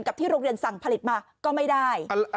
ที่โรงเรียนสั่งผลิตมาก็ไม่ได้